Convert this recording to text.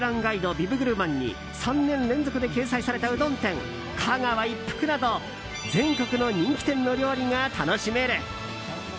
ビブグルマンに３年連続で掲載されたうどん店香川一福など全国の人気店の料理が楽しめる。